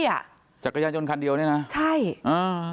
ที่อ่ะจักรยานยนต์คันเดียวนี่น่ะใช่อ่า